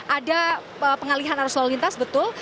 ada pengalihan arus lalu lintas betul